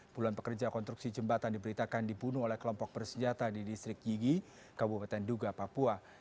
puluhan pekerja konstruksi jembatan diberitakan dibunuh oleh kelompok bersenjata di distrik yigi kabupaten duga papua